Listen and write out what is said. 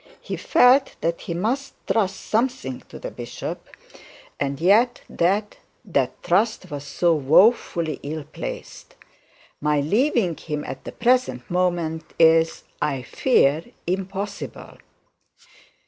He felt that he must trust something to the bishop, and yet that trust was so woefully misplaced. 'My leaving him at the present moment is, I fear, impossible.'